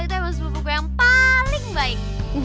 itu emang sebuah buku yang paling baik